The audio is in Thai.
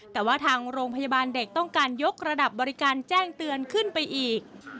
แต่ว่าทางโรงพยาบาลเด็กต้องการยกระดับบริการแจ้งเตือนขึ้นไปอีก